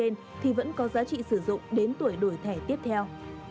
các thẻ cân cước công dân trên thì vẫn có giá trị sử dụng đến tuổi đổi thẻ tiếp theo